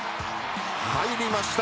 入りました。